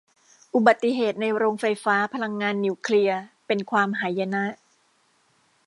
อุบัติเหตุในโรงไฟฟ้าพลังงานนิวเคลียร์เป็นความหายนะ